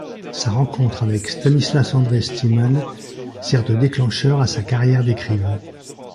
Sa rencontre avec Stanislas-André Steeman sert de déclencheur à sa carrière d'écrivain.